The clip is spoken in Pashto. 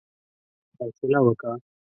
حوصله وکه!